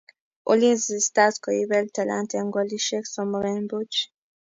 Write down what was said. Ulinzi stars koibel Talanta en kolishek somok en buch